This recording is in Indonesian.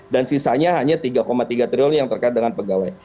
dan sisanya hanya tiga tiga triliun yang terkait dengan pegawai